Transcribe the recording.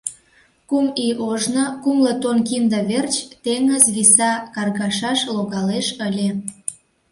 Кум ий ожно кумло тонн кинде верч теҥыз виса каргашаш логалеш ыле.